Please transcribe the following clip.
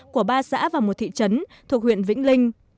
của ba xã và một thị trấn thuộc huyện vĩnh linh